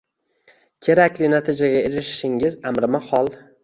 kerakli natijaga erishishingiz amrimahol.